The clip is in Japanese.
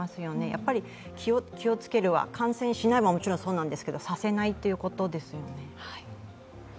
やっぱり気を付けるのは、感染しないのはもちろんですが、感染させないということですよね。